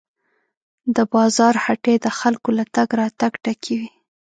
د بازار هټۍ د خلکو له تګ راتګ ډکې وې.